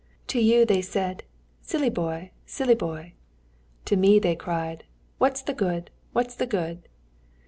To you they said, 'Silly boy! silly boy!' to me they cried, 'What's the good! what's the good!'